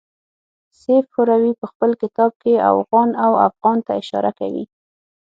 سیف هروي په خپل کتاب کې اوغان او افغان ته اشاره کوي.